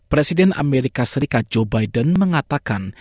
presiden amerika serikat joe biden mengatakan